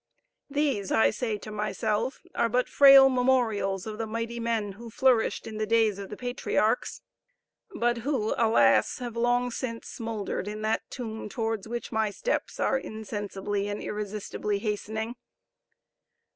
These I say to myself are but frail memorials of the mighty men who flourished in the days of the patriarchs: but who, alas! have long since smouldered in that tomb towards which my steps are insensibly and irresistibly hastening.